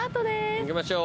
行きましょう。